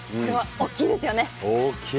大きいですね。